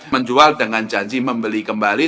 menjual dengan janji membeli kembali